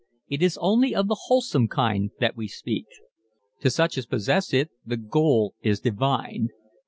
It is only of the wholesome kind that we speak. To such as possess it the goal is divine.